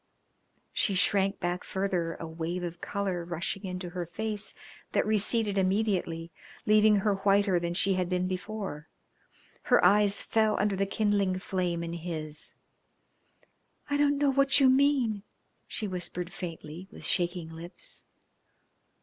She shrank back further, a wave of colour rushing into her face that receded immediately, leaving her whiter than she had been before. Her eyes fell under the kindling flame in his. "I don't know what you mean," she whispered faintly, with shaking lips.